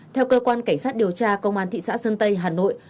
theo cơ quan cảnh sát điều tra công an thị xã sơn tây hà nội